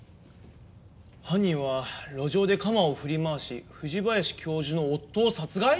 犯人は路上で鎌を振り回し藤林教授の夫を殺害！？